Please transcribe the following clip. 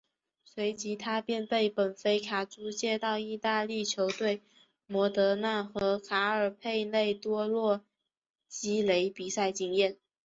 随即他便被本菲卡租借到意大利球队摩德纳和卡尔佩内多洛积累比赛经验。